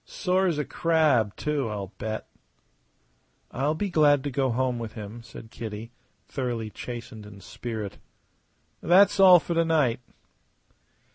Sore as a crab, too, I'll bet." "I'll be glad to go home with him," said Kitty, thoroughly chastened in spirit. "That's all for to night."